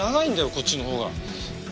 こっちのほうが。